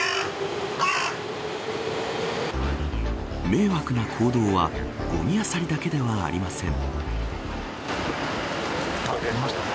迷惑な行動はごみあさりだけではありません。